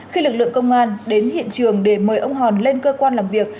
khi lực lượng công an đến hiện trường để mời ông hòn lên cơ quan làm việc